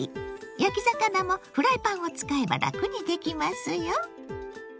焼き魚もフライパンを使えばラクにできますよ。